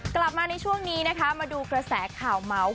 กลับมาในช่วงนี้นะคะมาดูกระแสข่าวเมาส์